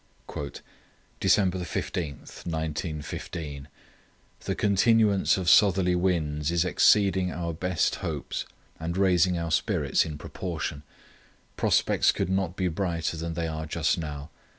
"December 15, 1915.—The continuance of southerly winds is exceeding our best hopes, and raising our spirits in proportion. Prospects could not be brighter than they are just now.